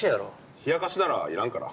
冷やかしならいらんから。